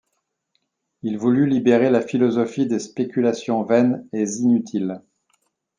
Il voulut libérer la philosophie des spéculations vaines et inutiles.